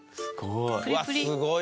すごい。